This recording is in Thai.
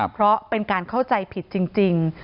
เพราะเป็นการเข้าใจผิดจริง